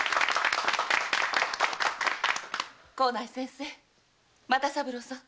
幸内先生又三郎さん